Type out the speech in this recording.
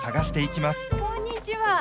こんにちは。